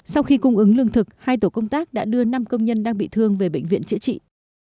sau khi cung ứng lương thực hai tổ công tác đã đưa năm công nhân đang bị thương về bệnh viện chữa trị